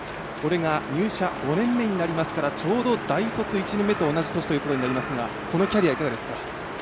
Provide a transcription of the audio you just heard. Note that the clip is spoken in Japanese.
これが入社５年目になりますからちょうど大卒１年目と同じ年となりますが、このキャリア、いかがですか？